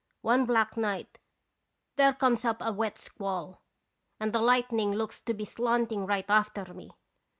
One black night there comes up a wet squall, and the lightning looks to be slanting right after me.